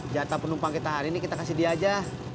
jatah penumpang kita hari ini kita kasih dia aja